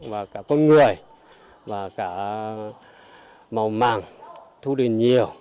và cả con người và cả màu màng thu được nhiều